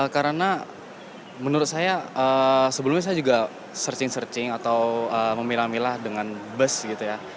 karena menurut saya sebelumnya saya juga searching searching atau memilah milah dengan bus gitu ya